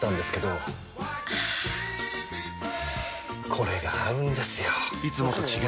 これが合うんですよ！